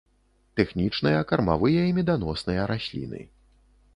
Тэхнічныя, кармавыя і меданосныя расліны.